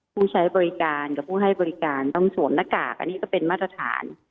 ผู้ใช้บริการกับผู้ให้บริการต้องสวมหน้ากากอันนี้ก็เป็นมาตรฐาน